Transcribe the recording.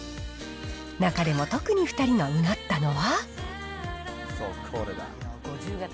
中でも特に２人がうなったのは。